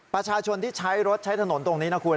ประชาชนที่ใช้รถใช้ถนนตรงนี้นะคุณ